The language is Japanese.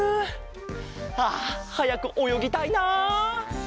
あはやくおよぎたいな！